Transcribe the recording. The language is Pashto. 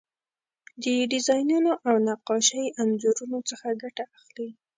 د ډیزاینونو او نقاشۍ انځورونو څخه ګټه اخلي.